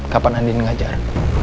kapan andin ngajar